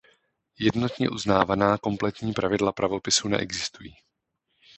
Jednotně uznávaná kompletní pravidla pravopisu neexistují.